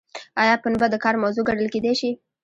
ایا پنبه د کار موضوع ګڼل کیدای شي؟